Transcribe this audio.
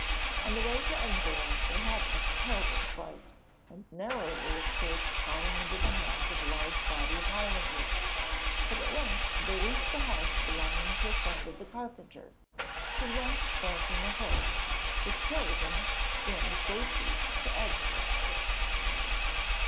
On the way to Edinburgh they had a terrible fright, and narrowly escaped falling into the hands of a large body of Highlanders, but at length they reached a house belonging to a friend of the carpenter's, who lent Thornton a horse, which carried him in safety to Edinburgh.